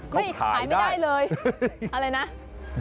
เขาขายได้อะไรนะไม่ขายไม่ได้เลย